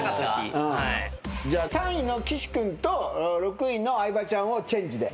じゃあ３位の岸君と６位の相葉ちゃんをチェンジで。